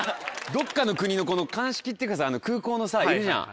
どっかの国の鑑識っていうかさ空港のさいるじゃん